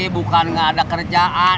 bukan gak ada kerjaan